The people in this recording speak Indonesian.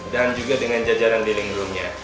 dan juga dengan jajaran di link roomnya